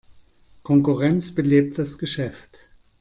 Konkurrenz belebt das Geschäft.